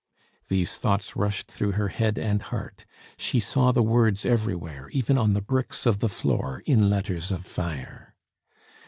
These thoughts rushed through her head and heart. She saw the words everywhere, even on the bricks of the floor, in letters of fire.